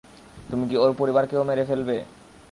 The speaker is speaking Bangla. তুমি কি ওর পরিবারকেও মেরে ফেলবে?